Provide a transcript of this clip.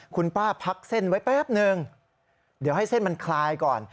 คุณป้าพักเส้นไว้แป๊บนึงเดี๋ยวให้เส้นมันคลายก่อน